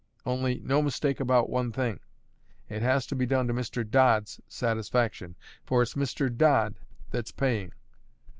Only, no mistake about one thing: it has to be done to Mr. Dodd's satisfaction; for it's Mr. Dodd that's paying."